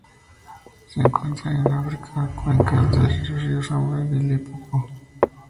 Se encuentran en África: cuencas de los ríos Zambeze y Limpopo.